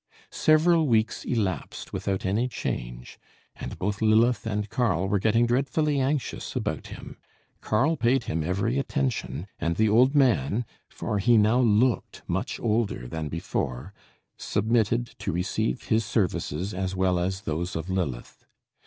Several weeks elapsed without any change, and both Lilith and Karl were getting dreadfully anxious about him. Karl paid him every attention; and the old man, for he now looked much older than before, submitted to receive his services as well as those of Lilith.